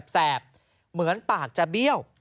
แสบเหมือนปากจะเบี้ยว